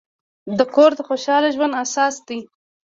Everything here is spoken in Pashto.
کور د خوشحال ژوند اساس دی.